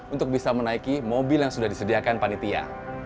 untuk bisa menaiki mobil yang sudah disediakan panitia